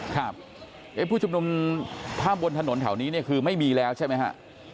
ครับผู้ชุมนุมภาพบนถนนแถวนี้เนี่ยคือไม่มีแล้วใช่ไหมฮะ